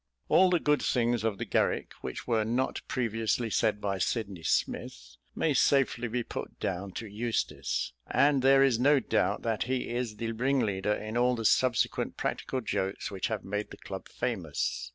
All the good things of the Garrick which were not previously said by Sydney Smith may safely be put down to Eustace; and there is no doubt that he is the ringleader in all the subsequent practical jokes which have made the club famous.